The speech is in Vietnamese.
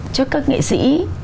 cho các nghệ sĩ